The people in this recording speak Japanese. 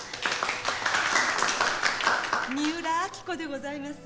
三浦明子でございます。